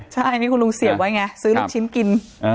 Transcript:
ใช่นี่คุณลุงเสียบไว้ไงซื้อลูกชิ้นกิน